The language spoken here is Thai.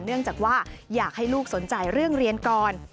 เนื่องจากว่าอยากให้ลูกสนใจเรื่องเรียนก่อน